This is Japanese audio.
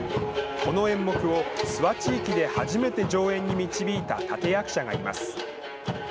この演目を諏訪地域で初めて上演に導いた立役者がいます。